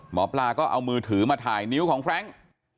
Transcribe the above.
หมอปลาก็เอามือถือมาถ่ายนิ้วของแฟรงค์